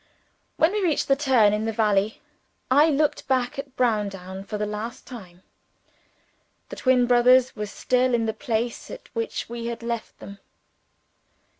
When we reached the turn in the valley, I looked back at Browndown for the last time. The twin brothers were still in the place at which we had left them.